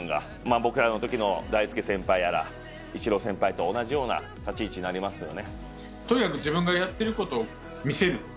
僕らのときの、大輔先輩やらイチロー先輩と同じような立ち位置になりますよね。